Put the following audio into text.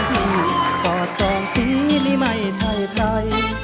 ถ้าเป็นคนที่ตอบตรงที่นี่ไม่ใช่ใคร